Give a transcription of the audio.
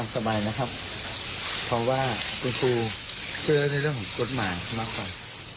สมัยนะครับเพราะว่าตูปูเพื่อนด้วยเรื่องกดหมายมากเว้น